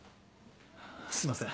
すいません